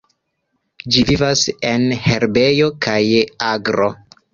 Ĝi vivas en herbejo kaj agro.